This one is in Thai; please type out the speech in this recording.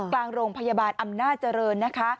กลางโรงพยาบาลอำนาจรณ์นะคะ